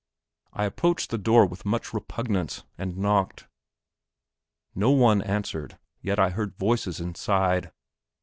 I approached the door with much repugnance, and knocked. No one answered, yet I heard voices inside.